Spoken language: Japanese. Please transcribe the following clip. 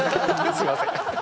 すみません。